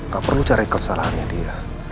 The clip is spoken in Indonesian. gak perlu cari kesalahannya dia